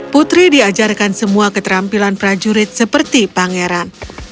putri diajarkan semua keterampilan prajurit seperti pangeran